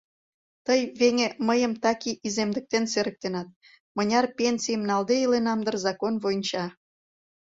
Тый, веҥе, мыйым таки иземдыктен серыктенат, мыняр пенсийым налде иленам дыр закон войнча...